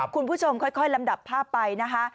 คุณผู้ชมค่อยลำดับภาพไปนะคะ